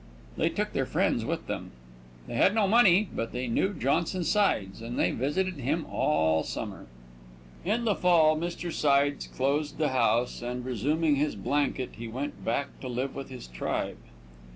They took their friends with them. They had no money, but they knew Johnson Sides, and they visited him all summer. In the fall Mr. Sides closed the house, and resuming his blanket he went back to live with his tribe.